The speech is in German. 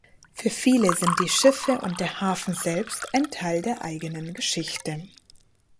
Für Viele sind die Schiffe und der Hafen selbst ein Teil der eigenen Geschichte.